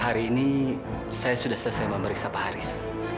hari ini saya sudah selesai memeriksa pak haris